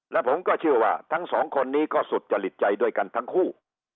และผมก็เชื่อว่าทั้งสองคนนี้ก็สุจริตใจด้วยกันทั้งคู่